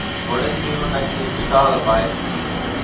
ބޮޑެތި މީހުންނަކީ މިކަހަލަ ބައެއް